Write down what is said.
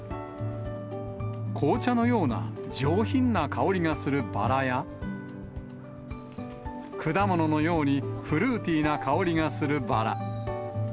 紅茶のような上品な香りがするバラや、果物のようにフルーティーな香りがするバラ。